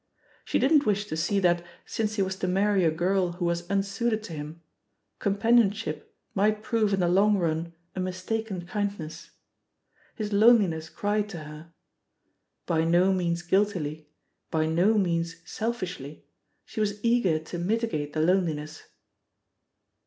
She didn't wish to see that, since he was to marry a girl who was unsuited to him, companionship might prove in the long run a mistaken kindness. His loneliness cried to her. By no means guilt ily, by no means selfishly, she was eager to miti^ gate the loneliness.